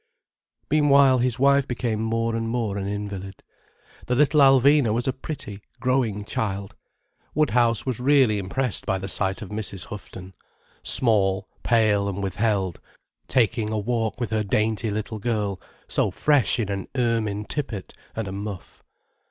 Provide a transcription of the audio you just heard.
Meanwhile his wife became more and more an invalid; the little Alvina was a pretty, growing child. Woodhouse was really impressed by the sight of Mrs. Houghton, small, pale and withheld, taking a walk with her dainty little girl, so fresh in an ermine tippet and a muff.